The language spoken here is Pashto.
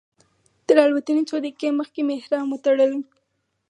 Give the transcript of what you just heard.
تر الوتنې څو دقیقې مخکې مې احرام وتړلو.